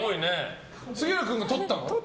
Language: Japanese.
杉浦君が取ったの？